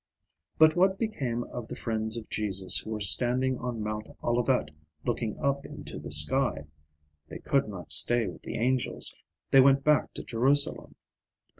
But what became of the friends of Jesus who were standing on Mount Olivet looking up into the sky? They could not stay with the angels, they went back to Jerusalem.